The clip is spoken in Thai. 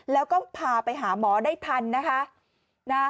แล้วก็พาไปหาหมอได้ทันนะคะ